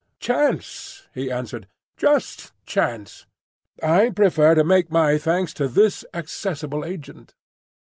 "Chance," he answered. "Just chance." "I prefer to make my thanks to the accessible agent."